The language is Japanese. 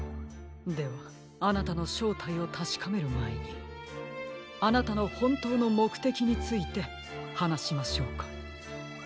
ではあなたのしょうたいをたしかめるまえにあなたのほんとうのもくてきについてはなしましょうか？